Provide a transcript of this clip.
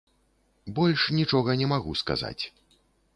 Больш нічога не магу сказаць.